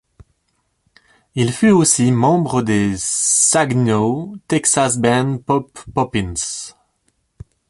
Il fut aussi membre des Saginaw, Texas band Pop Poppins.